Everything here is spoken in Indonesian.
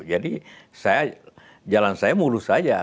jadi jalan saya mulus saja